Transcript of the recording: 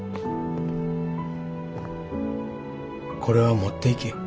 これは持っていけ。